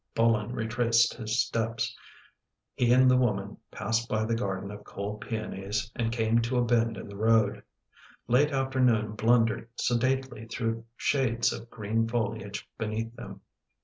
Bolin retraced his steps; he and the woman passed by the garden of cold peonies and came to a bend in the road. Late afternoon blundered sedately through shades of green foliage beneath them.